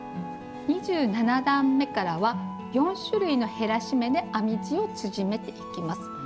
２７段めからは４種類の減らし目で編み地を縮めていきます。